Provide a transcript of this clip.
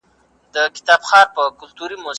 په ټولنه کې بدلونونه راځي.